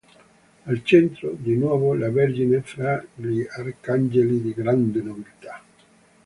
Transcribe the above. Al centro, di nuovo la Vergine fra gli arcangeli di grande nobiltà.